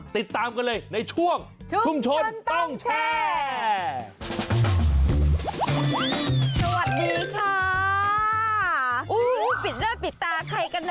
ติดตามกันเลยในช่วงชุมชนต้องแชร์